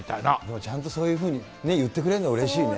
ちゃんとそういうふうに言ってくれるのうれしいね。